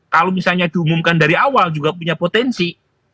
kalau misalnya diumumkan dari awal juga punya potensi